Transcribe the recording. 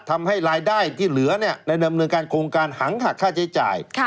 ทำให้รายได้ที่เหลือในดำเนินการโครงการหังหักค่าใช้จ่าย